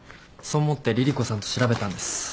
そう思って凛々子さんと調べたんです。